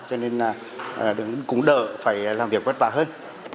cho nên cũng đỡ phải làm việc vất vả hơn